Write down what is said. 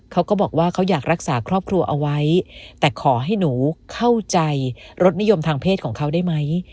เขาก็บอกว่าเขาอยากรักษาครอบครัวเอาไว้แต่ขอให้หนูเข้าใจรสนิยมทางเพศของเขาได้ไหม